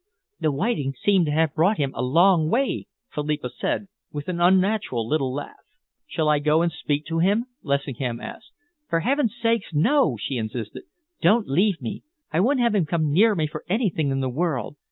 "The whiting seem to have brought him a long way," Philippa said, with an unnatural little laugh. "Shall I go and speak to him?" Lessingham asked. "For heaven's sake, no!" she insisted. "Don't leave me. I wouldn't have him come near me for anything in the world.